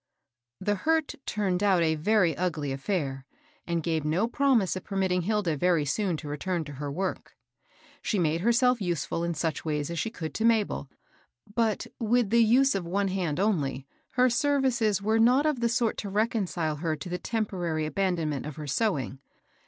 The hurt turned out a very ugly bSsliTj and gave no promise of permitting Hilda very soon to re turn to her work. She made herself useftd in such ways as she could to Mabel, but, with the use of one hand only, her services were not of the sort THE LAST DOLLAR. 219 to reconcile her to the temporary abandonment of her sewing.